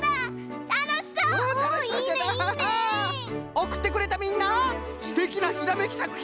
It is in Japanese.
おくってくれたみんなすてきなひらめきさくひんを。